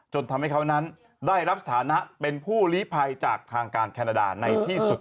จนทำให้เขานั้นได้รับสถานะเป็นผู้ลีภัยจากทางการแคนาดาในที่สุด